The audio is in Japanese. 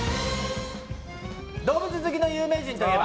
動物好きの有名人といえば？